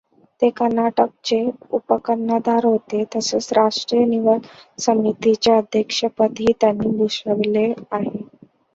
ते कर्नाटकचे उपकर्णधार होते, तसेच राष्ट्रीय निवड समितीचे अध्यक्षपदही त्यांनी भूषविले आहे.